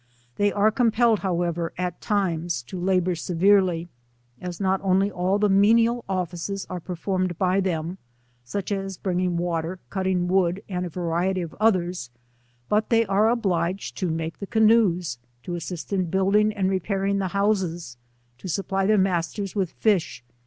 They are compelled however at times to labour severely, as not only all the menial offices are performed by them, such as bringing wa ter, catting wood and a variety of others, but they are obliged to make the canoes, to assist in build ing and repairing the houses, to supply their mas ters with fish